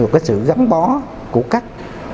cái sự gắn bó của các